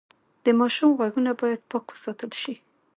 د ماشوم غوږونه باید پاک وساتل شي۔